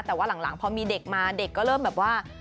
แต่ว่าหลังพอมีเด็กมาเด็กก็เริ่มแบบว่า